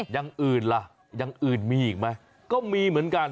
อย่างอื่นล่ะอย่างอื่นมีอีกไหมก็มีเหมือนกัน